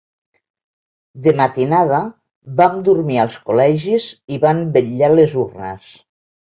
De matinada, vam dormir als col·legis i vam vetllar les urnes.